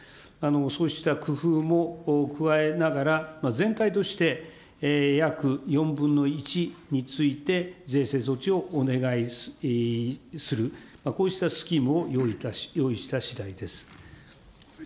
そうした工夫も加えながら、全体として約４分の１について、税制措置をお願いする、こうしたスキームを用意したしだいです。